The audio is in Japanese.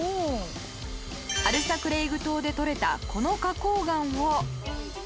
アルサクレイグ島で取れたこの花崗岩を。